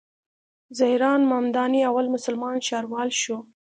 زهران ممداني اول مسلمان ښاروال شو.